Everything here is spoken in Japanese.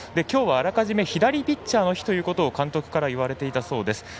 きょうはあらかじめ左ピッチャーの日ということを監督から言われていたそうです。